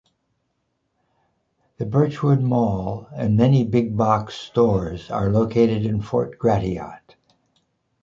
The Birchwood Mall and many big box stores are located in Fort Gratiot.